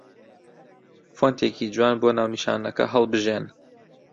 فۆنتێکی جوان بۆ ناونیشانەکە هەڵبژێن